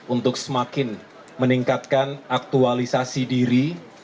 untuk semakin meningkatkan aktualisasi diri